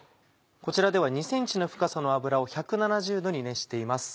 こちらでは２ｃｍの深さの油を１７０℃に熱しています。